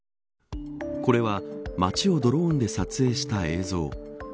これは、街をドローンで撮影した映像。